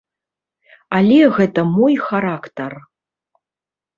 Але гэта мой характар.